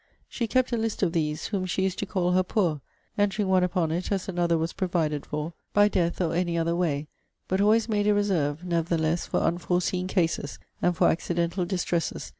She kept a list of these, whom she used to call her Poor, entering one upon it as another was provided for, by death, or any other way; but always made a reserve, nevertheless, for unforeseen cases, and for accidental distresses.